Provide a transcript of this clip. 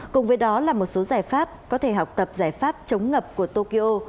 cùng với đó là một số giải pháp có thể học tập giải pháp chống ngập của tokyo